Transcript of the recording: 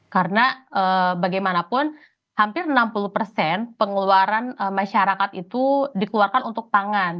karena bagaimanapun hampir enam puluh pengeluaran masyarakat itu dikeluarkan untuk pangan